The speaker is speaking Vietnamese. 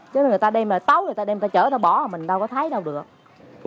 chứ người ta đem là tấu người ta đem người ta chở ra bỏ rồi mình đâu có thấy đâu được